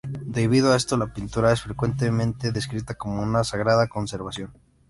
Debido a esto la pintura es frecuentemente descrita como una sagrada conversación.